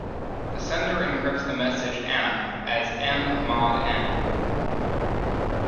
The sender encrypts the message "m" as "m" mod "N".